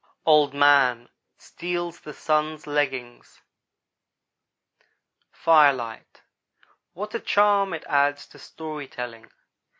OLD MAN STEALS THE SUN'S LEGGINGS FIRELIGHT what a charm it adds to story telling.